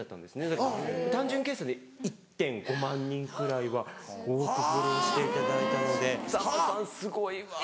だから単純計算で１．５万人くらいは多くフォローしていただいたのでさんまさんすごいわ。